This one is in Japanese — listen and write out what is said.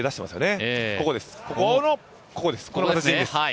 この形でいいです。